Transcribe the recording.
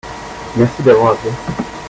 Merci d'avoir appelé.